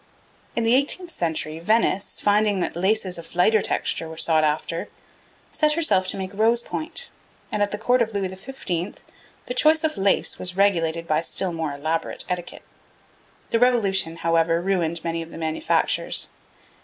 In the eighteenth century, Venice, finding that laces of lighter texture were sought after, set herself to make rose point; and at the Court of Louis XV. the choice of lace was regulated by still more elaborate etiquette. The Revolution, however, ruined many of the manufactures.